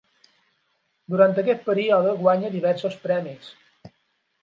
Durant aquest període guanya diversos premis.